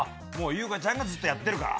優香ちゃんがずっとやってるから。